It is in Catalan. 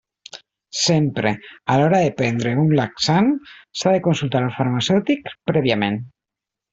Sempre, a l'hora de prendre un laxant s'ha de consultar al farmacèutic prèviament.